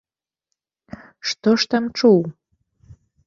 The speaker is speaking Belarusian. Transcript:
Што ж там чуў?